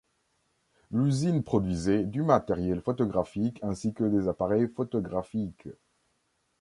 L’usine produisait du matériel photographique ainsi que des appareils photographiques.